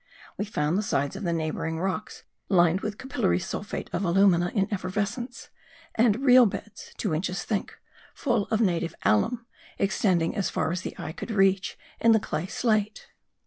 We found the sides of the neighbouring rocks lined with capillary sulphate of alumina in effervescence; and real beds, two inches thick, full of native alum, extending as far as the eye could reach in the clay slate.